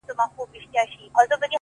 • زه او ته یو په قانون له یوه کوره,